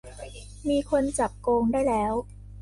มีคนจับโกงได้แล้ว